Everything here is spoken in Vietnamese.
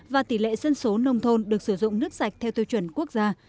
và tỷ lệ dân số nông thôn được sử dụng nước sạch theo tiêu chuẩn quốc gia